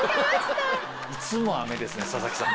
いつも雨ですね佐々木さん。